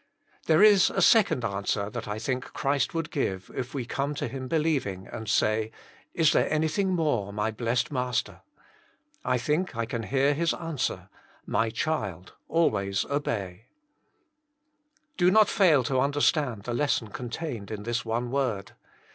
There is a second answer that I think Jesus Himself. 57 Christ would give if we come to Him believing, and say, *< Is there anything more, my blessed Master ?" I think I can hear 'His answer: ffb'e, cbilDt alwai30 obeij/^ Do not fail to understand the lesson contained in this one word.